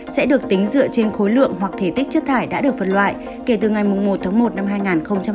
sẽ được tính dựa trên khối lượng hoặc thể tích chất thải đã được phân loại kể từ ngày một tháng một năm hai nghìn hai mươi